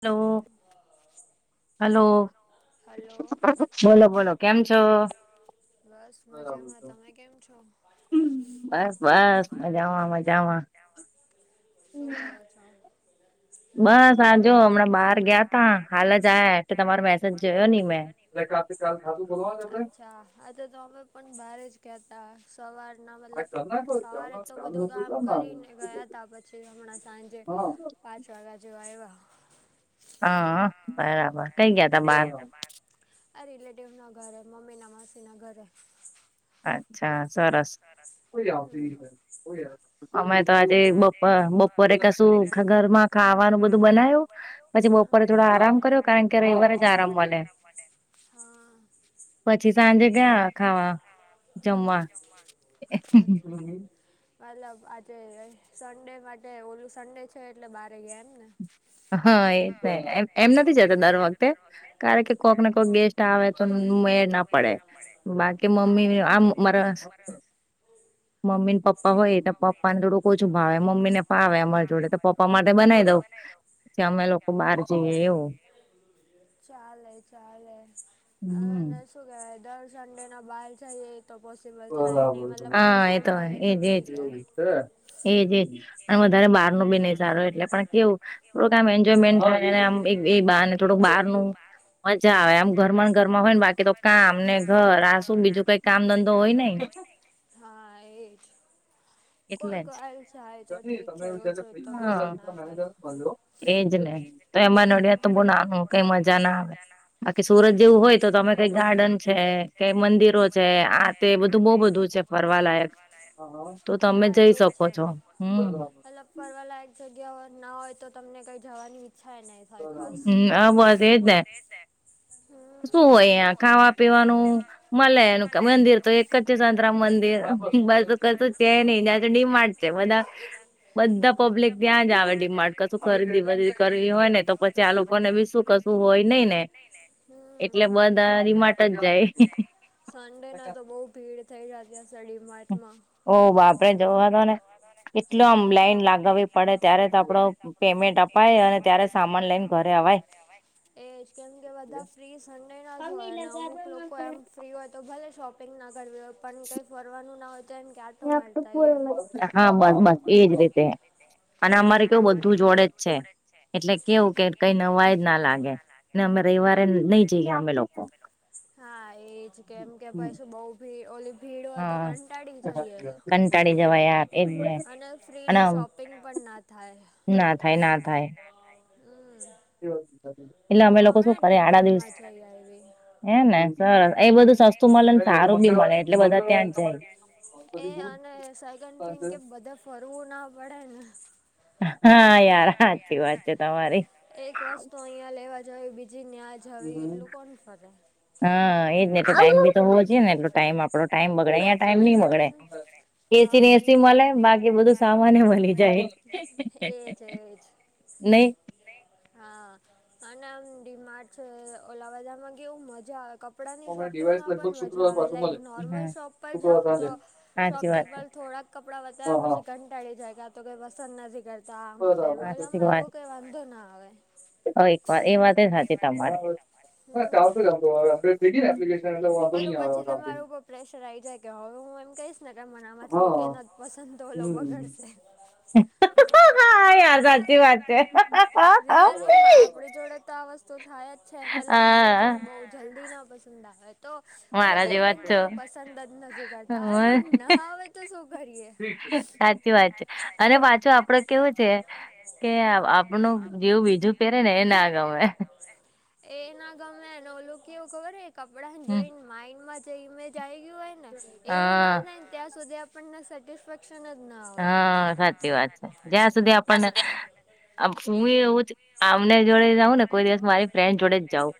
Hello hello. Hello બોલો બોલો કેમ છો. બસ મજામાં તમે કેમ છો. બસ બસ મજામાં મજામાં. પાચ. બસ આજો હમણાં બહાર ગયા તા હાલ જ આ એલે તમારો મેસેજ જોયો નહી મેં. એ કાથી કાલ ખાધું બોલવાનું આપડે. હા તો તો અમે પણ બારે જ કેતા સવારના મતલબ. સવારે તો બધું કામ કરીને ગયા તા પછી હમણાં સાંજે પા. શાળા જોવા આયવા. હા બરાબર. કઈ ગયા તા કય ગ્યા યા બાર આ રિલેટિવ ના ઘરે મમ્મી ના માસી ના ઘરે. અચ્છા સરસ. હમ અમે તો આજે બપ બપોરે કશું ઘરમાં ખાવાનું બધું બના્યું. પછી બપોરે થોડો આરામ કર્યો કારણ કે રવિવારે જ આરામ મલે. પછી સાંજે ગ્યા ખાવા. [unintelligible] અચ્છા જમવા [unintelligible] જે સન્ડે માટે ઓલું સન્ડે છે એટલે બારે ગયા એમ ને. હા એ એમ નથી જતા દર વખતે કારણ કે કોકને કોક ગેસ્ટ આવે તો મેળ ના પડે બાકી મમ્મી આમ મારા [inaudible] મમ્મી પપ્પા હોય એટલે પપ્પા ને તો બોજ ભાવે મમ્મી ને ભાવે અમાર જોડે તો પપ્પા માટે બનાવી દઉં. જે અમે લોકો બહાર જઈએ એવું. ચાલે ચાલે. હ હમ ને શું કેવાય દર સંડે ના બહાર જઈએ તો પોસી બલ થાય નહી મતલબ હા કોઈક એ વાર તો જાવે એજ એજ એજ અને વધારે બહાર નું બી નહી સારો એટલે પણ કેવું થોડુક આમ એન્જોયમેન્ટમ કરે અને એમ એ બાને થોડુંક બારનું મજા આવે આમ ઘરમાં ઘરમાં હોય ને, બાકી તો કામ ને ઘર આ શું બીજું કઈ કામ કામ ધંધો હોય નઈ હા એજ એટલે કોઈક જ વાર જાય તો ઠીક છે રોજ રોજ તો કશું ના થાય [unintelligible] એજ ને તો એમાં હમ નડિયા તો બો નાહું કઈ મજા ના આવે. બાકી સુરત જેવું હોય તો તમે કઈ ગાર્ડન છે કઈ મંદિરો છે આ તે બધું બઉ બધું છે. ફરવા લયક તો તમે જઈ શકો છો હમ. [unintelligible] ફરવા લાયક જગ્યા ના હોય તો તમને કંઈ જવાની ઈચ્છાાય નહી થાય ખાસ હમ આ બસ એજ ને [unintelligible] શું હોય અહિયા ખાવા પીવાનું મલે [unintelligible] મંદિર તો એક જ સંતરામ મંદિર બસ કશું છે નહી ત્યાં તો ડિમાર્ટ છે બધા બધા પબ્લિક ત્યાં જ આવે ડિમાર્ટ કશું ખરીદી બરીદી કરવી હોય ને હોયને તો પછી આ લોકોને બી શું કશું હોય નઈ ને એટલે બધા ડીમાટ જ જાય. સંડે ના તો બહુ ભીડ થઈ જતી સડીમાટમાં. ઓહ બાપડે જોવા તો ને એટલ આમ એ લાઈન લાગવી પડે ત્યારે તો આપડો પેમેન્ટ અપાય અને ત્યારે સામાન લઈને ઘરે અવાય એજ કેમ કે બધા ફ્રી સન્ડે ના જ હોય, અને અમુક લોકો એમ ફ્રી હોય તો ભલે શોપિંગ ના કરવી હોય, પણ કઈ ફરવાનું ના હોય તો ક્યારે આટો મારતા આઈએ હા બસ બસ એજ રીતે અને અમારે કેવું બધું જોડે જ છે. [unintelligible] એટલે કેવું કે કઈ જ નવાય ના લાગે ને અમે રવિવારે નહી પરિવારે જઈએ લઈ અમે જ લોકો. આપેલો હા, એજ કેમ કે પછ શું બઉ ભી ઓલી ભીડ હોય તો હા કંટાળી જઈએ. કંટાળી જવાય યાર એજ ને [unintelligible] અને અને ફ્રીલી શોપિંગ પણ ના થાય ના થાય ના થાય એટલે અમે હું લોકો શું હમણાં કરે આડા દિવસે ડીમાર્ટમાં જઈ આવી. હેને હ એ બધું સસ્તું મળે ને સારું બી મળે એટલે બધા ત્યાં જ જાય. એ અને સેકન્ડ થિંગ કે બધે ફરવું ના પડે ને. હા, યાર સાચી વાત છે તમારી એક વસ્તુ અહિયાં લેવા જવી બીજી ન્યા જવી એટલું કોણ ફરે, હા, એજ એટલે ટાઈમ બી તો હોવ જોઈએ એ ટાઈમ આપો ટાઈમ બગડે અયા ટાઈમ નઈ બગડે એસી હા ને એસી એજ મળે બાકી બધું સામાન મળી જાય... એજ એજ નહીં હા, અને આમ ડીમાટ છે ઓલા બધામા કેવું મજા આવે કપડાંની શોપિંગમાં પણ મજા આવે, લાઈક નોર્મલ હા શોપ પર જાઉ ને તો સાચી વાત શોપિંગ છે. પર થોડાક કપડા બતાયા પછી કં ટાળી જાય કા તો કઈ પસંદ નથી કરતા આમ તેમ સાચી ઓલામા વાત એવું કઈ વાંધો ના આવે. એક વાર એ વાતે સાચી તમારી હમ ઓલું પછી તમારા [unintelligible] [unintelligible] ઉપર પ્રેશર આવી જાય કે હવે હું એમ કહીશ, ગમના આમાંથી એકેય નથી પસંદ તો ઓલો બગડશે, હા, યાર સાચી વાત છે. જોડતા આ વસ્તુ થાય, છે, મતલબ મને હા છેને બહુ જલ્દી ન પસંદ આવે તો મતલબ મારા કે એક જેવા જ બેન છો. તમે પસંદ જ નથી કરતા. અરે પણ ના આવે તો શું કરીએ સાચી વાત છે, અને પાછું આપ આપડે કેવું છે કે, આપનુ જેવું બીજું પહેરે ને એ ના ગમે. એ ના ગમેને ઓલુ કેવું ખબર કપડા ને જોઈને માઈન્ડ માં જે ઇમેજ જોય ગયું હોય ને, એવું ના હા થાયને ત્યાં સુધી આપણને સેટિસ્ફેક્શન જ ના હો હા સાચી વાત છે, જ્યાં સુધી આપણને એટલે હું એવું આમને જોડે જાઉં ને કોઈ દિવસ મારી ફ્રેન્ડ જોડે જ જાઉં,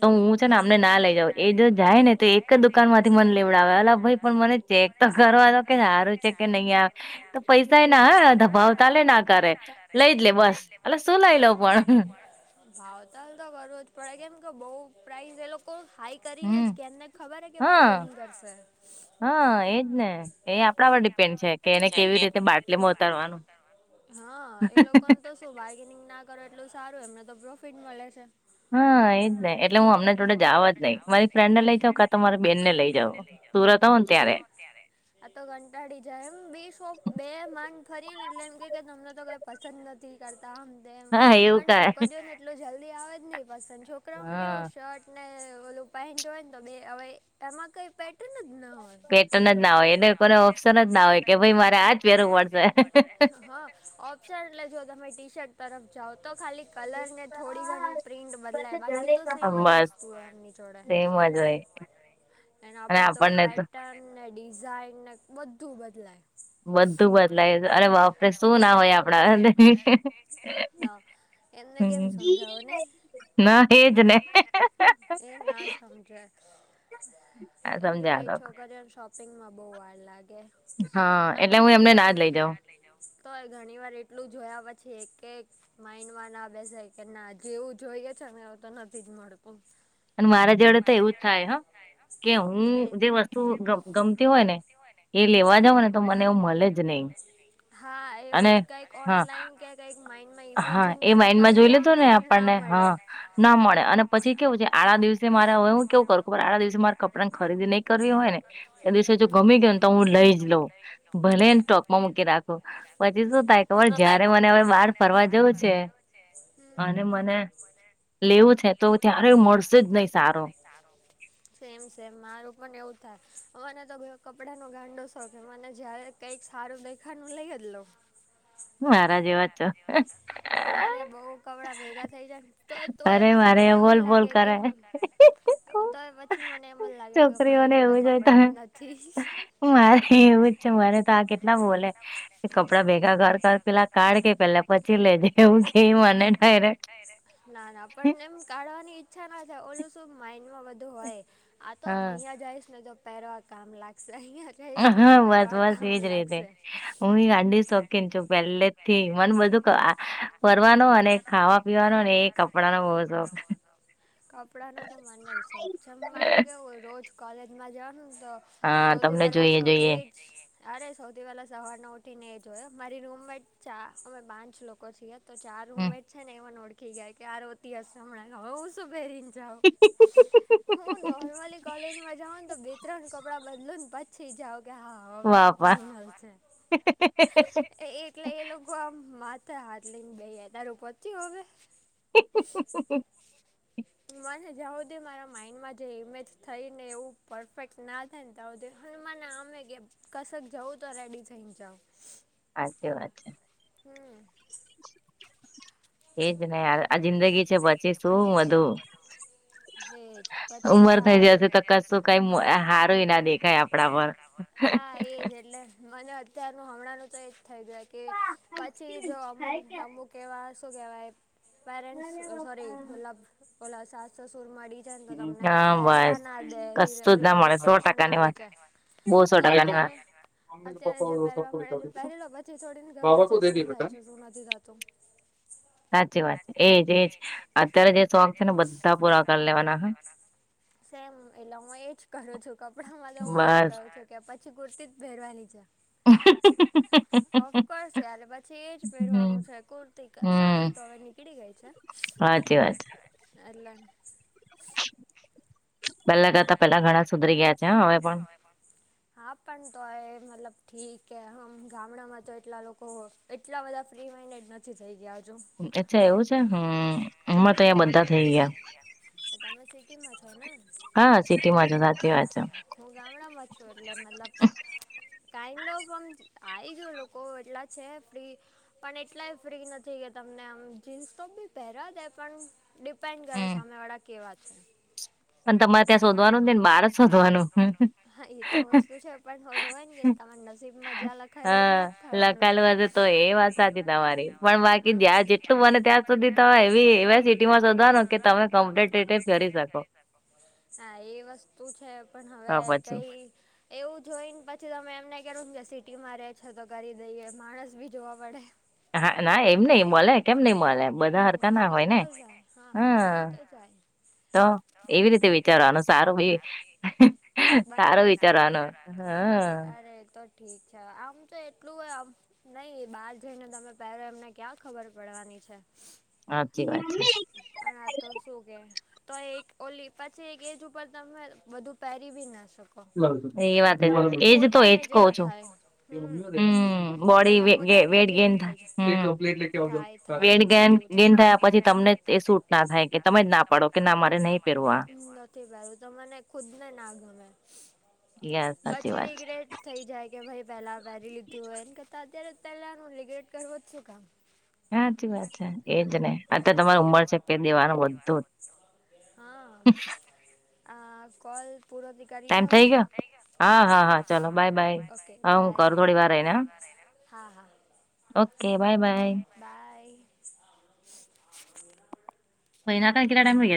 તો હું છે ને અમને ના લઇ જાઉં. એ જો જાય ને તો એક જ દુકાન માંથી મને લેવડાવે, એલા ભાઈ પણ મને ચેક તો કરવા દો કે સારું છે કે નહી તો પૈસા એ ના હ દબાવતાાલે ના કરે લઈ જ લે બસ અ શું લઈ લઉ પણ ભાવ તાલ તો કરવું જ પડે કેમ કે બઉ પ્રઇઝ એ લોકો હાઈ. કરીને જ હમ કે એમને ખબર હે કે હા બાર્ગેનિંગ કરશે. હા, એજ ને એ આપણા પર ડિપેન્ડ છે કે, એને કેવી રીતે બાટલીમાં ઉતારવાનું. હા, એ લોકોને તો શું બાર્ગેનિંગ ના કરો એટલું સારું એમને તો પ્રોફિટ મળે છે. હા, એ જ ને એટલે હું અમને થોડ જવા જ નહી, મારી ફ્રેન્ડને લઈ જાઉ કા તો મારી બેનને લઇ જાવ. ત્યારે આ તો કંટાળી જાય એમ બી શોપ બે માંન ફરી ને એટલે એમ કે કે તમને તો ક પસંદ નથી કરતા અમ તેમ હા એવું ક પણ છોકરીઓને એટલું જલ્દી આવે જ નહિ પસંદ, છોકરા ને હા કેવું શર્ટ ને ઓલું પેન્ટ હોય ને, તો બે હવે એમાં કઈ પેટર્ન જ ના હોય પેટન જ ના હોય એને ખરો ઓપ્શન જ ના હોય કે ભઈ મારે આજ પહેરવું પડશે, [unintelligible] જો તમે ટી શર્ટ તરફ જાઓ તો ખાલી કલર ને થોડી ઘણી પ્રિન્ટ બદલાય, બાકી તો સેમ જ વસ્તુ હો એમની જોડે સેમજ હોય, એનો અને આપડે તો આપણને પેટર્ન ને ડિઝાઇન ને બધું બદલાય બધું બદલાય અરે બાપે શું ના હોય, આપણા ના એમને કેમ હમ સમજાવો નહી. ના હે. એ ના સમજે હા એટલે એ સમજાતો છોકરીને શોપિંગમાં બહુ વાર લાગે હા એટલે હું એમને નાદ લઇ જાઉં. તો એ ઘણી વાર એટલું જોયા પછી એક એક ક માઇન્ડ માં ના બેસ કે ના જેવું જોઈએ છેને એવું તો નથી જ મળતુ. મારા જોડે તો એવું જ કે હું જે વસ્તુ થાય હ હોય ને એ લેવા જાવ ને તો મને એવું મળે જ નહી હા એવું અને જ કઈક હા ઓનલાઈન કક એક મ હા, એ માઇન્ડ માં જોઈ લીધો ને ના આપણને મળે હા ના મળે અને પછી કેવું છે. આડા દિવસે મારે હવે હું કેવું કરું આડા દિવસે મારે કપડા ને ખરીદી નહીઈ કરવી હોય ને એ દિવસે જો હમ ગમી ગય હો ને તો હું લઈ જ લઉં. ભલેને [unintelligible] મૂકી રાખો પછી, શું થાય ખબર જયારે મને હવે બાર હવે બહાર ફરવા જવું છે હમ્મ અને મને લેવું છે. તો ત્યારે મળશે જ નહી સારો સેમ સેમ મારું પણ એવું થાય મને તો કપડા નો ગાંડો શોખ મને જારે. કઈક સારું દેખાનું લઈ જ લોઉ મારા જેવા છો. અરે બઉ કપડાં ભેગા થઇ જ ને તો તોય અરે પછી મારે મને એવું બોલ બોલ લાગે કે કરે. તો પછી મને એમ જ લાગે કે મારી છોકરીઓને જોડે એવું હોય કપડા જ તમે નથી. મારે એવું જ છે, મરે તો આ કેટલા બોલે કે કપડાં ભેગા કર કર પેલા કાઢ કે પેલા પછ લે જે એવું કેયું મને ડાયરેક ના ના પણ એમ કાઢવાની ઈચ્છા ના થાય ઓલું શું માઇન્ડ માં બઘું હોય. આ તો હા અહિયાયા જઈશ, ને તો પહેરવા કામ લાગશે અહીિયાં જ હા બસ બસ એજ રીતે હું એ અગાડી સોખન છુ. પહેલે જ થી મને બધું ફરવાનો અને ખાવા પીવાનો ને એ કપડાંનો બો શોખ. કપડાનો તો મને શોખ છે, મારે કેવું હોય રોજ કોલેજમાં જવાનું તો હા સૌથી તમને પહેલા સ જોઈએ જોઈએ. એજ અરે સૌથી પહેલા સવાર ન ઉઠીને જોયો મારી રૂમમે ચાર અમે પાંચ લોકો છીએ. તો ચાર હમ. રૂમમેટ છે ને એ મને ઓળખી ગયા કે આ રોતી હશે હમણાં હુ શું પહેરીને જાઉ હુ નોર્મલી. કોલેજમાં જાાવ ને તો બે ત્રણ કપડાં બદલું ને પછી જાાવ કે હા હવે વાહ આ વાહ ફાઈનલ છે, એટલે એ લોકો આમ માથે હાથ લઈને બે હજાર પચ્યું હવ [inaudible] મને જાઉદી મારા માઈન્ડમાં જે ઇમેજ થઈ ને એવું પરફેક્ટ ના તા આવ હ મને આમે કે કશક જવું તો રેડી થઈને જાાવ હાચી વાત છે. હમ્મ એજ ને યાર આ જિંદગી છે, પચી શું બધું એજ પછી ઉમર થઇ ગયા જશે ઓલું તો કુ કઈ હારુંય ના દેખાય આપણા પર એલે મદદ અત્યારનું હમણાંનું તો એ જ થઈ, ગયાય કે પછી જો અમુક અમુક એહેવા શું કહેવાય પેરેન્ટસ સારી ઓલા ઓલા સાસ સસુર મળી તો તમને હા પહેરવા બસ ના દે કશું જ ના મળે સો રિસ્ટપશન ટકા ની આવી વાત જાય. બહુ સોટા જાવા અત્યારે અત્યારે જે પહેરવા મળે છે પહેરેલો પછી થોડીને ગબર છે શું થાય છે, શું નથી થતુ સાચી વાત છે એજ એજ અત્યારે જે શોખ છે ને બધા પૂરા કરી લેવાના હ સેમ એટલે હું એજ કરું છું કપડામાં તો હું એજ બસ કરું છુ. કે પછી કુર્તી જ ભેરવાની છે. ઓફકોર્સ યાર પછી એજ હમ પહેરવાનું છે કુર્તી હમ સાડી તો હવે, ની જય છે હાચી વાત એટલે પહેલા કરતા પેલા ઘણા સુધરી ગયા છે હવે પણ હા પણ તો એ મતલબ ઠીક હમ ગામડામાં તો એટલા લોકો એટલા બધા ફ્રી માઇન્ડેડ નથી થઈ ગયા હજુ અચ્છા એવું છે હમ હમણાં તો હમ્મ, અહં તમે બધા થઈ ગયા તમે સિટીમાં છો ને હા સિટીમાં છું સાચી વાત છે. હ ગામડામાં છૂ એટલેે મતલબ ટાઈમનો ઓફ આમ આવી ગયું લોકો એટલા છે, પ્રી પણ એટલાય ફ્રી નથી કે તમને આમ જીન્સ તો બી પહેર દે પણ ડિપેન્ડ કરે હમ સામેવાળા કેવા છે. પણ ત્યાં તમારે શોધવાનું જ નઈ ને બહાર જ ત્યાં શોધવાનું [unintelligible] હા એ તો વસ્તુ છે, પણોલવા તમા નસીબમાં જ્યાં લખાયેલું હો હા ને થવાનું છે લખાયેલું હશે તો એ એટલું બને ત્યાં સુધી તમેવી એવા સિટીમાં શોધવાનું કે તમે કોમ્પેટેટી કરી શકો હા એ વસ્તુ છે, પણ હવે તો પછી. કેવું એવું જોઈને પછી તમે એમને કેું કે સિટીમાં રે છો તો કરી દઈએ માણસ બી જોવા પડે હા ના એમ નહિ મળ કેમ નહ મળે બધા હરકા ના મળી હોય તો ને જાય હા હા મળી હમ તો જાય તો એવી રીતે વિચારવાનું સારું બંને સારું હોય સારી વિચારવાનું હ અરે તો ઠીક છે આમ તો એટલું હોય આમ નઈ એ બહાર જઈને તમે પેલો એમને ક્યાં ખબર પડવાની છે. સાચી વાત છે. પણ આ તો શું કે તો એક ઓલી પછી એક એજ ઉપર તમે બધું પહેરી બી ના શકો એ વાત તમને એજ તો એજ પોતાને જ કહ એમ છો, થાય હમ હમ બોડી તમને વેટ પોતાને જ ગેન એમ થઈ જાય થાય થાય થાય વેટ ગેન બધું જ થયા પછી તમને એ ના થાય કે તમે જ ના પાડો કે ના મારે નહીં પહેરવા નથી પારું ત મને ખુદ ને ના ગમે યા સાચી પછી વાત છે રિગરેટ થઈ જાય કે ભાઈ પેલા વેરી લીધું હોય એને કરતા અત્યારે પેલાનું લિગ્રેટ કરવો જ છું કામ હાચી વાત છે. એજ ને ઉ અત્યારે તમારી ઉંમર છે કે દેવાનો બધું હ આ કોલ પૂરા દ કરીએ ટાઈમ હવે ગયો સેટ થઈ ગયા ને હા હા ચલો હું બાય કરું થોડી બાય વાર માં હા ઓકે હું કરું બાય. થોડી વાર રહીને હા હા ઓકે બાય બાય બાય ભાઈ ના કેટડા ટમ ગ એ